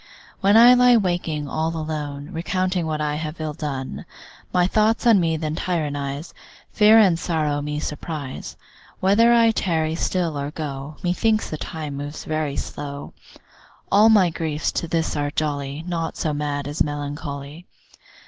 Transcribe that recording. When I lie waking all alone, Recounting what I have ill done, My thoughts on me then tyrannise, Fear and sorrow me surprise, Whether I tarry still or go, Methinks the time moves very slow. All my griefs to this are jolly, Naught so mad as melancholy.